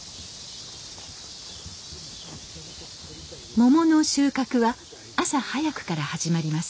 モモの収穫は朝早くから始まります。